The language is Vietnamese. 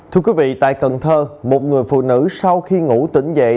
thưa quý vị tại cần thơ một người phụ nữ sau khi ngủ tỉnh dậy